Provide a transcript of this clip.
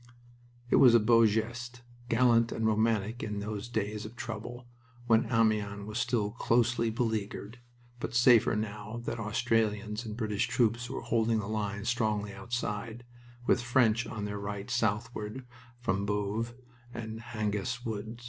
It was a beau geste, gallant and romantic in those days of trouble, when Amiens was still closely beleaguered, but safer now that Australians and British troops were holding the lines strongly outside, with French on their right southward from Boves and Hangest Wood.